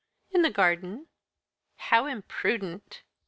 "In the garden." "How imprudent!"